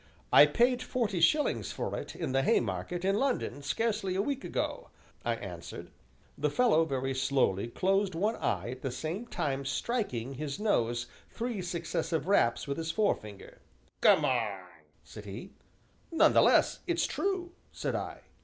"I paid forty shillings for it, in the Haymarket, in London, scarcely a week ago," I answered. The fellow very slowly closed one eye at the same time striking his nose three successive raps with his forefinger: "Gammon!" said he. "None the less, it's true," said I.